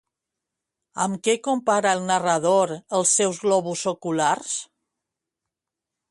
Amb què compara el narrador els seus globus oculars?